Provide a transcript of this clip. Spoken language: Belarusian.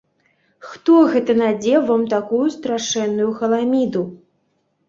Хто гэта надзеў вам такую страшэнную халаміду?